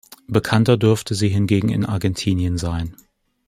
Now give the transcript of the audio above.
Bekannter dürfte sie hingegen in Argentinien sein.